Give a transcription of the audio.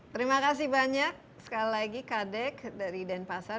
terima kasih banyak sekali lagiolate kadek dari dian pasar